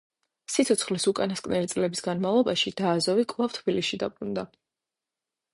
სიცოცხლის უკანასკნელი წლების განმავლობაში ბააზოვი კვლავ თბილისში დაბრუნდა.